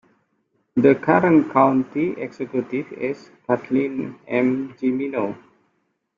The current county executive is Kathleen M. Jimino.